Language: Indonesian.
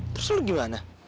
terus lu gimana